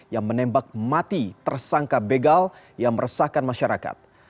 yang menembak mati tersangka begal yang meresahkan masyarakat